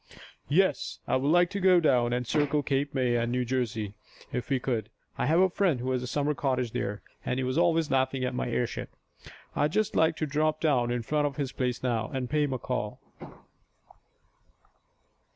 "Yes, I would like to go down and circle Cape May, New Jersey, if we could. I have a friend who has a summer cottage there, and he was always laughing at my airship. I'd just like to drop down in front of his place now, and pay him a call."